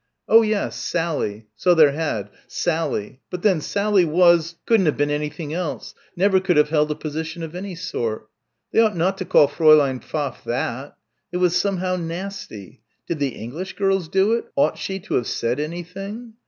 Oh yes Sally so there had Sally but then Sally was couldn't have been anything else never could have held a position of any sort. They ought not to call Fräulein Pfaff that. It was, somehow, nasty. Did the English girls do it? Ought she to have said anything?